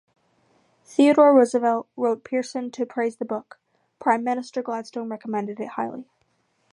Theodore Roosevelt wrote Pearson to praise the book; Prime Minister Gladstone recommended it highly.